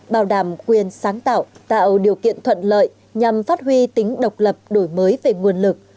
bảo đảm quyền sáng tạo tạo điều kiện thuận lợi nhằm phát huy tính độc lập đổi mới về nguồn lực